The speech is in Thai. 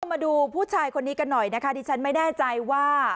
มาดูผู้ชายคนนี้กันหน่อยนะคะดิฉันไม่แน่ใจว่า